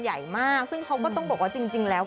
ใหญ่มากซึ่งเขาก็ต้องบอกว่าจริงแล้ว